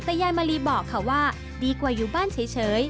แต่ยายมะลีบอกค่ะว่าดีกว่าอยู่บ้านเฉย